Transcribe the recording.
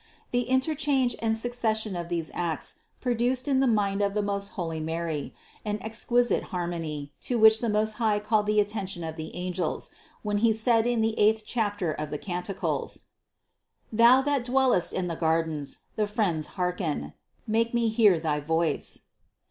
The in terchange and succession of these acts produced in the mind of the most holy Mary an exquisite harmony, to which the Most High called the attention of the angels, when He said in the eighth chapter of the Canticles: "Thou that dwellest in the gardens, the friends hearken : make me hear thy voice."